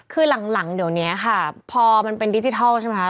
คือหลังเดี๋ยวนี้ค่ะพอมันเป็นดิจิทัลใช่ไหมคะ